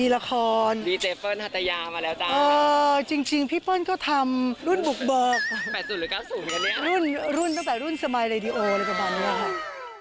ลักษณีย์ละครจริงพี่เปิ้ลก็ทำรุ่นบุกเบิกรุ่นตั้งแต่รุ่นสไมล์ไลดีโออะไรประมาณนี้